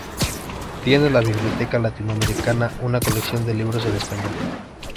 Tiene la Biblioteca Latinoamericana, una colección de libros en español.